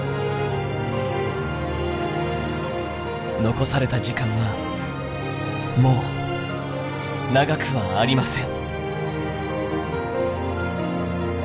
残された時間はもう長くはありません。